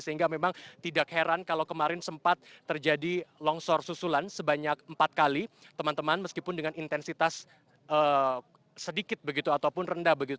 sehingga memang tidak heran kalau kemarin sempat terjadi longsor susulan sebanyak empat kali teman teman meskipun dengan intensitas sedikit begitu ataupun rendah